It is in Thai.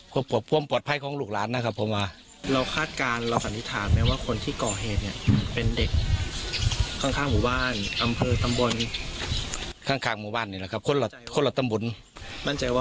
เพราะปวดไพ่ของลูกร้านนะครับผมว่าเราคาดการณ์เราสัมมิตรฐานไหมว่าคนที่ก่อเหตุเนี้ย